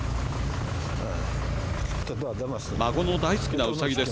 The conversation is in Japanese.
孫の大好きなうさぎです。